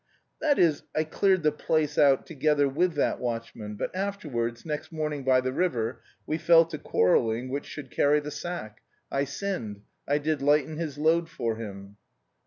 "That is, I cleared the place out together with that watchman, but afterwards, next morning, by the river, we fell to quarrelling which should carry the sack. I sinned, I did lighten his load for him."